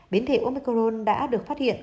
biến thể omicron đã được phát hiện